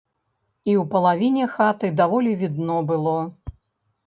І ў палавіне хаты даволі відно было.